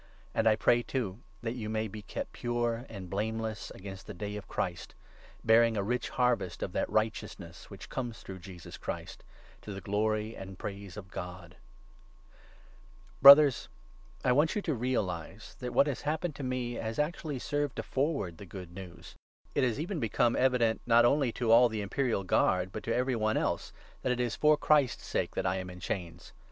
And I pray, too, that you may be kept pure and blameless against the Day of Christ, bearing n a rich harvest of that righteousness which comes through Jesus Christ, to the glory and praise of God. II. — THE APOSTLE IN PRISON AT ROME. The Results Brothers, I want you to realize that what has 12 of his im happened to me has actually served to forward prisonment. the Good News. It has even become evident, not 13 only to all the Imperial Guard, but to every one else, that it is for 400 PHII.IPPIANS, 1. Christ's sake that I am in chains.